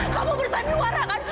kamu bersanil warah kan